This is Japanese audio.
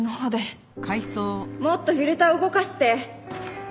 もっとフィルター動かして。